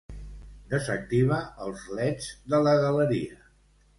Desactiva els leds de la galeria.